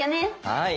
はい！